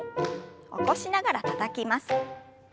起こしながらたたきます。